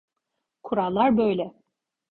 Kurallar böyle.